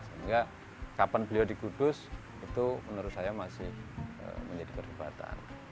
sehingga kapan beliau di kudus itu menurut saya masih menjadi perdebatan